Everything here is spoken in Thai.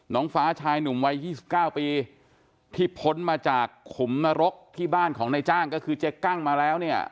น้องฟ้าชายหนุ่มวัย๒๙ปีที่พ้นมาจากขุมนรกที่บ้านของนายจ้างก็คือเจ๊กั้งมาแล้วเนี่ย